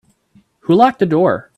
Who locked the door?